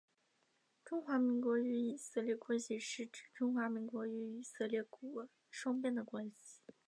中华民国与以色列关系是指中华民国与以色列国双边的关系。